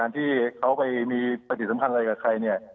ที่เขาไปมีปฏิสัมพันธ์อะไรกับใครเนี่ย